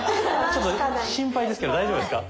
ちょっと心配ですけど大丈夫ですか？